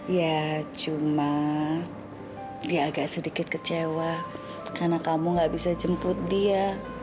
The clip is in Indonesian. ya cuma dia agak sedikit kecewa karena kamu gak bisa jemput dia